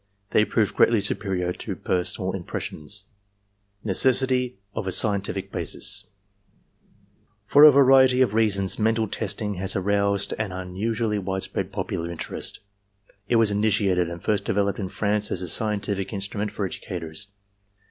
They proved greatly superior to personal impressions. ^ 186 ARMY MENTAL TESTS NECESSITY OF A SCIENTIFIC BASIS "For a variety of reasons mental testing has aroused an un usually widespread popular interest. It was initiated and first developed in France as a scientific instrument for educators.